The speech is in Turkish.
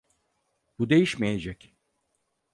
Bu değişmeyecek.